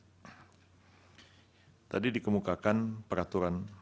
tadi dikemukakan peraturan